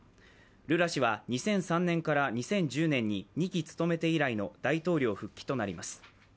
ルラ氏は２００３年から２０１０年に２期務めて以来の大統領復帰となります。